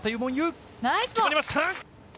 決まりました！